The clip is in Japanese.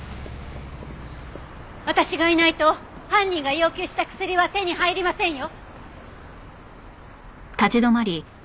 私がいないと犯人が要求した薬は手に入りませんよ。